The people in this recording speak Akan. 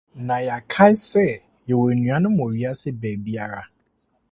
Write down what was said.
na yɛakae sɛ yɛwɔ anuanom wɔ wiase baabiara.